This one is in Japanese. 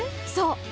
そう！